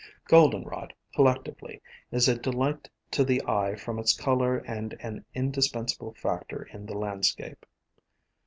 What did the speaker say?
Goldenrod, collectively, is a delight to the eye from its color and an indispensable factor in the landscape.